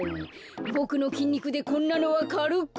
ボクのきんにくでこんなのはかるく。